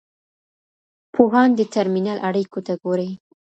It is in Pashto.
پوهان د ترمینل اړیکو ته ګوري.